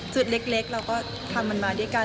จุดเล็กเราก็ทำมันมาด้วยกัน